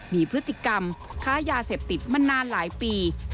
มีพฤติกรรมค้ายาเสพติดมานานหลายปี